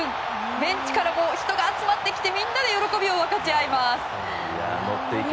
ベンチからも人が出てきてみんなで喜びを分かち合います。